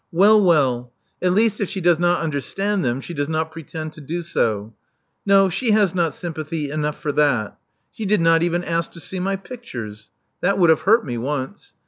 Well, well: 342 Love Among the Artists at least if she does not understand them, she does not pretend to do so. No, she has not sympathy enough for that. She did not even ask to see my pictures. That would have hurt me once.